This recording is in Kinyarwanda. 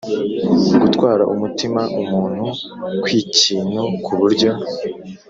gutwara umutima umuntu kw’ikintu ku buryo